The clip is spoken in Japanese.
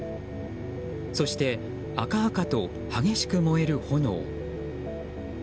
そして赤々と激しく燃える炎。